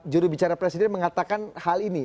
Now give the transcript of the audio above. jurubicara presiden mengatakan hal ini